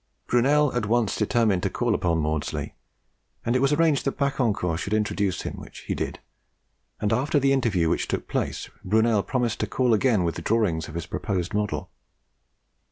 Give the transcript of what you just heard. Brunel at once determined to call upon Maudslay, and it was arranged that Bacquancourt should introduce him, which he did, and after the interview which took place Brunel promised to call again with the drawings of his proposed model.